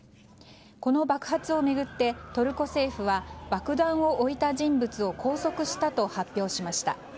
この爆発を巡って、トルコ政府は爆弾を置いた人物を拘束したと発表しました。